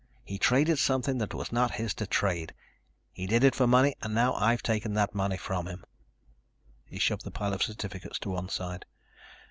He traded something that was not his to trade. He did it for money and now I've taken that money from him." He shoved the pile of certificates to one side.